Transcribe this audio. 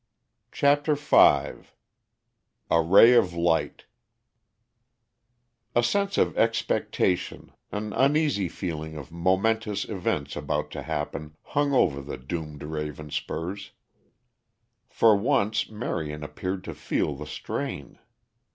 CHAPTER V A RAY OF LIGHT A sense of expectation, an uneasy feeling of momentous events about to happen, hung over the doomed Ravenspurs. For once, Marion appeared to feel the strain.